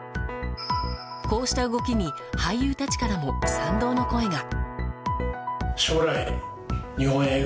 こうした動きに俳優たちからも賛同の声が。